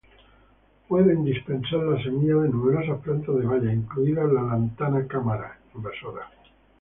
Pueden dispersar las semillas de numerosas plantas de bayas incluida la "Lantana camara" invasora.